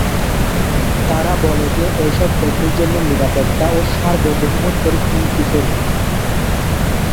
তারা বলে যে, এসব দেশের জন্য নিরাপত্তা ও সার্বভৌমত্বের হুমকিস্বরূপ।